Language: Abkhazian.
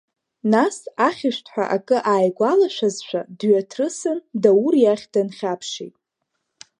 Нас, ахьшәҭҳәа, акы ааигәалашәазшәа дҩаҭрысын, Даур иахь дынхьаԥшит.